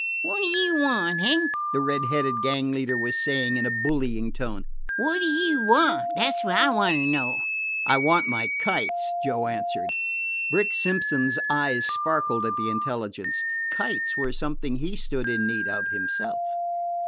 "Wot d' ye want, eh?" the red headed gang leader was saying in a bullying tone. "Wot d' ye want? That 's wot I wanter know." "I want my kites," Joe answered. Brick Simpson's eyes sparkled at the intelligence. Kites were something he stood in need of himself.